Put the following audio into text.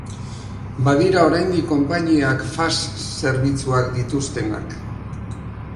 Badira oraindik konpainiak fax zerbitzuak dituztenak.